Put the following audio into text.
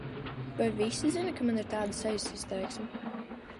Vai visi zina, ka man ir tāda sejas izteiksme?